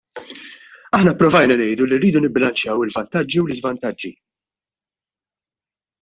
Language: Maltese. Aħna pprovajna ngħidu li rridu nibbilanċjaw il-vantaġġi u l-iżvantaġġi.